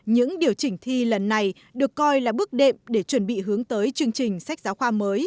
những điều chỉnh thi lần này được coi là bước đệm để chuẩn bị hướng tới chương trình